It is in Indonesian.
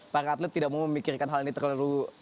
para atlet tidak mau memikirkan hal ini terlalu